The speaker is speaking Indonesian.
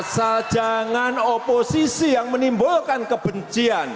asal jangan oposisi yang menimbulkan kebencian